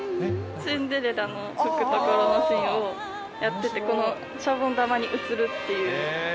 シンデレラの拭くところのシーンをやってて、このシャボン玉に映るっていう。